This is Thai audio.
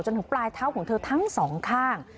ถึงปลายเท้าของเธอทั้งสองข้าง